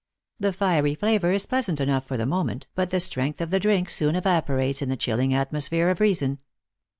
The fiery flavour is pleasant enough for the moment, but the strength of the drink soon evaporates in the chilling atmosphere of reason.